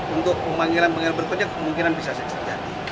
untuk pemanggilan pemanggilan berikutnya kemungkinan bisa terjadi